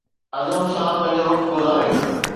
عزم سان پنهنجو وقت گذاريو.